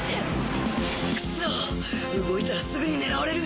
クソ動いたらすぐに狙われる